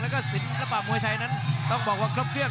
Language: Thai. แล้วก็ศิลปะมวยไทยนั้นต้องบอกว่าครบเครื่อง